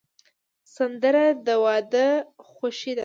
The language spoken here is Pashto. سندره د واده خوښي ده